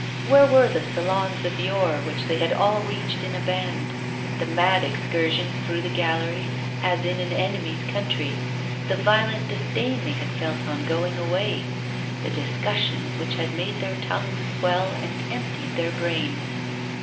Where were the Salons of yore which they had all reached in a band, the mad excursions through the galleries as in an enemy's country, the violent disdain they had felt on going away, the discussions which had made their tongues swell and emptied their brains?